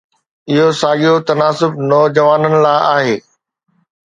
اهو ساڳيو تناسب "نوجوانن" لاء آهي.